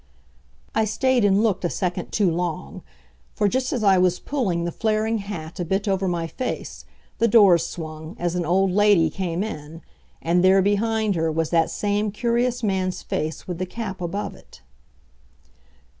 I stayed and looked a second too long, for just as I was pulling the flaring hat a bit over my face, the doors swung, as an old lady came in, and there behind her was that same curious man's face with the cap above it.